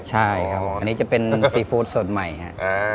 ใช่ครับผมอันนี้จะเป็นซีฟู้ดสดใหม่ครับ